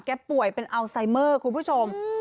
ป่วยเป็นอัลไซเมอร์คุณผู้ชม